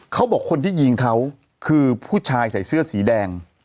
เขาบอกคนที่ยิงเขาคือผู้ชายใส่เสื้อสีแดง